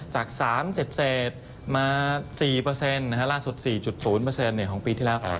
จาก๓เสร็จมา๔เปอร์เซ็นต์ล่าสุด๔๐เปอร์เซ็นต์ของปีที่แล้ว